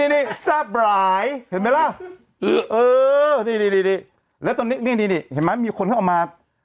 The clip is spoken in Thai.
นี่แซ่บหลายเห็นไหมละ